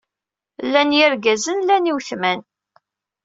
Llan yergazen llan iwetman.